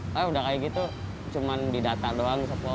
saya udah kayak gitu cuma di data doang